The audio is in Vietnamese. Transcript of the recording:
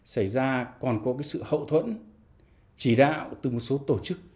xảy ra còn có sự hậu thuẫn chỉ đạo từ một số tổ chức